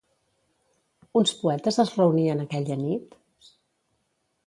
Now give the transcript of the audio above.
Uns poetes es reunien aquella nit?